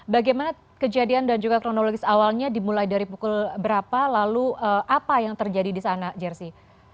bagaimana kejadian dan juga kronologis awalnya dimulai dari pukul berapa lalu apa yang terjadi di sana jersey